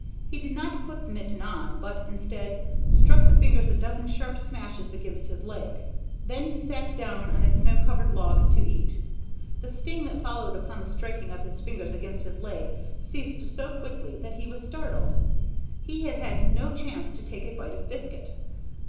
He did not put the mitten on, but, instead, struck the fingers a dozen sharp smashes against his leg. Then he sat down on a snow covered log to eat. The sting that followed upon the striking of his fingers against his leg ceased so quickly that he was startled, he had had no chance to take a bite of biscuit.